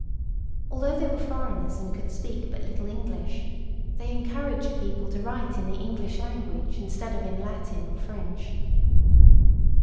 Although they were foreigners and could speak but little English, they encouraged people to write in the English language instead of in Latin or French.